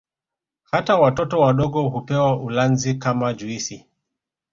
Hata watoto wadogo hupewa ulanzi kama juisi